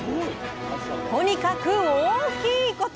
とにかく大きいこと！